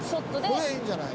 これいいんじゃない？